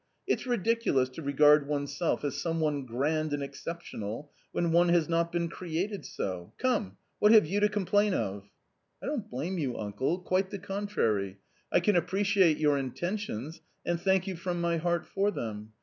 It's I ridiculous to regard oneself as some one grand and excep / tional when one has not been created so ! Come, what ' have you to complain of? " "I don't blame you, uncle, quite the contrary. I can appreciate your intentions, and thank you from my heart for them.